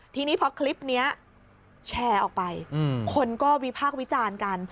ทีนี้พอคลิปนี้แชร์ออกไปคนก็วิพากษ์วิจารณ์กัน